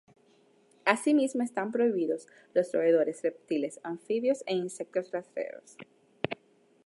Asimismo están prohibidos los roedores, reptiles, anfibios e insectos rastreros.